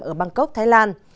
ở bangkok thái lan